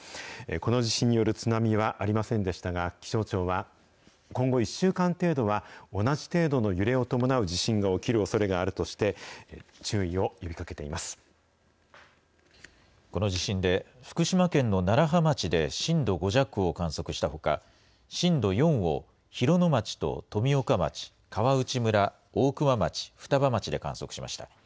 この地震による津波はありませんでしたが、気象庁は、今後１週間程度は同じ程度の揺れを伴う地震が起きるおそれがあるとして、注この地震で、福島県の楢葉町で震度５弱を観測したほか、震度４を広野町と富岡町、川内村、大熊町、双葉町で観測しました。